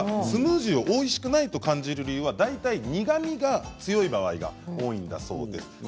スムージーをおいしくないと感じる理由は大体苦みが強い場合が多いんだそうです。